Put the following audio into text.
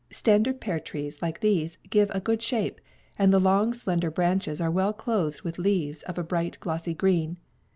Standard pear trees, like these, give a good shade, and the long, slender branches are well clothed with leaves of a bright, glossy green.